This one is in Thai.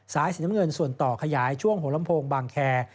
สีน้ำเงินส่วนต่อขยายช่วงหัวลำโพงบางแคร์